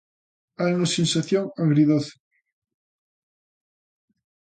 Hai unha sensación agridoce.